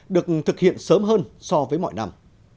được thực hiện sớm hơn so với mọi năm